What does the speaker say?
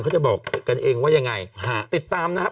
เขาจะบอกกันเองว่ายังไงฮะติดตามนะครับ